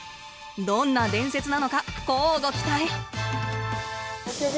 どんな伝説なのか乞うご期待！